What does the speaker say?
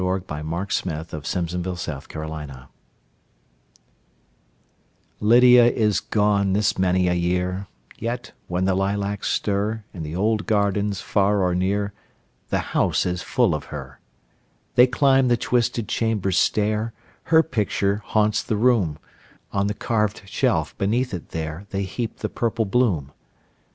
Lizette Woodworth Reese Lydia is gone this many a year LYDIA is gone this many a year, Yet when the lilacs stir, In the old gardens far or near, The house is full of her. They climb the twisted chamber stair; Her picture haunts the room; On the carved shelf beneath it there, They heap the purple bloom.